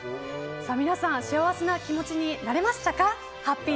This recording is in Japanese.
皆さん幸せな気持ちになりましたか？